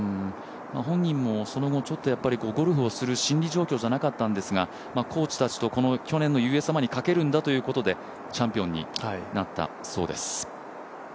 本人もその後、ゴルフをする心理状況じゃなかったんですが、コーチたちと去年のＵＳアマにかけるんだということでチャンピオンになったそうです。